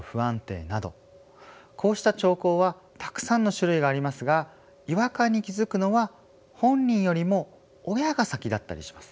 こうした兆候はたくさんの種類がありますが違和感に気付くのは本人よりも親が先だったりします。